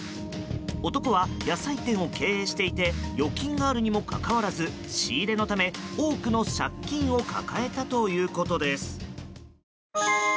男は野菜店を経営していて預金があるにもかかわらず仕入れのため多くの借金を抱えたということです。